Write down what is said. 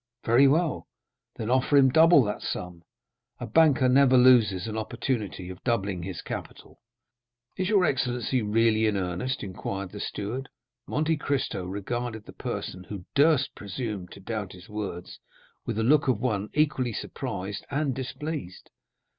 "Very well. Then offer him double that sum; a banker never loses an opportunity of doubling his capital." "Is your excellency really in earnest?" inquired the steward. Monte Cristo regarded the person who durst presume to doubt his words with the look of one equally surprised and displeased.